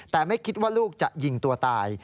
แต่ไม่คิดว่าลูกจะยิงตัวตาย